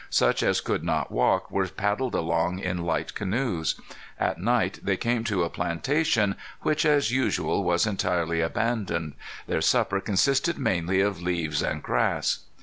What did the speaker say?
Such as could not walk were paddled along in light canoes. At night they came to a plantation, which, as usual, was entirely abandoned. Their supper consisted mainly of leaves and grass.